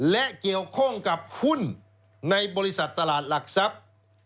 และเกี่ยวข้องกับหุ้นในบริษัทตลาดหลักทรัพย์